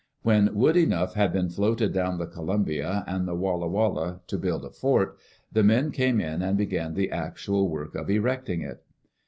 When wood enough had been floated down the Columbia and the Walla Walla to build a fort, the men came in and began the actual work of erecting it.